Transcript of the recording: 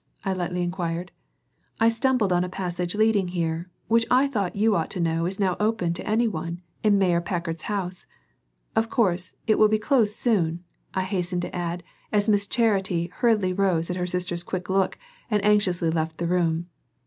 I lightly inquired. "I stumbled on a passage leading here, which I thought you ought to know is now open to any one in Mayor Packard's house. Of course, it will be closed soon," I hastened to add as Miss Charity hurriedly rose at her sister's quick look and anxiously left the room.